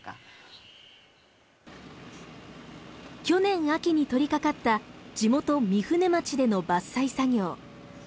去年秋に取りかかった地元御船町での伐採作業。